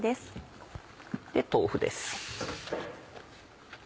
豆腐です。